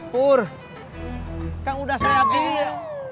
pur kan udah saya beli